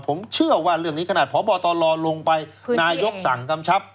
ผมเชื่อว่าเรื่องนี้ขนาดพบตรลงไปนายกสั่งกำชับ